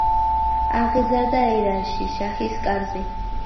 აღიზარდა ირანში, შაჰის კარზე.